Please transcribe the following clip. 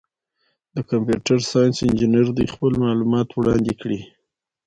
د کمپیوټر ساینس انجینر دي خپل معلومات وړاندي کي.